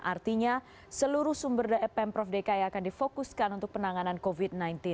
artinya seluruh sumber pemprov dki akan difokuskan untuk penanganan covid sembilan belas